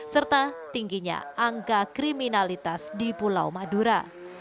serta tingginya angka kriminalitas di pulau madura